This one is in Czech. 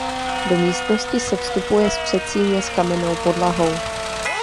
Do místnosti se vstupuje z předsíně s kamennou podlahou.